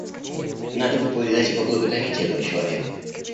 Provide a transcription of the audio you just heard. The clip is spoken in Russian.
Надо бы повидать и поблагодарить этого человека».